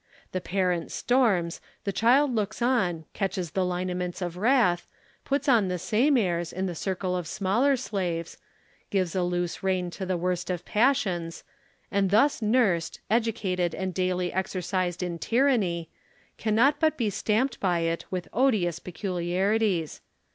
The parent storms, the child looks on, catches the lineaments of wrath, puts on the same airs in the circle of smaller slaves, gives a loose rein to the worst of passions, and thus nursed, educated, and daily exercised in tyranny, cannot but be stamped by it ^^'ith odious peculiarities.